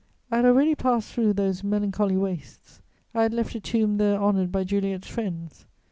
I had already passed through those melancholy wastes; I had left a tomb there honoured by Juliet's friends.